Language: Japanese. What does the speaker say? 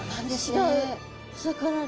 違うお魚で。